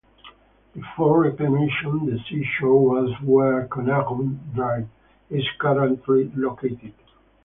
Before reclamation, the sea shore was where Connaught Drive is currently located.